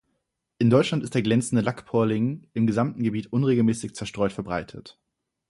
In Deutschland ist der Glänzende Lackporling im gesamten Gebiet unregelmäßig zerstreut verbreitet.